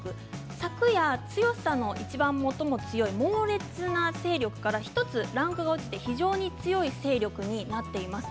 昨夜、強さのいちばん最も強い猛烈な勢力から１つランクが落ちて非常に強い勢力になっています。